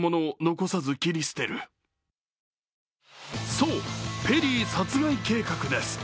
そう、ペリー殺害計画です。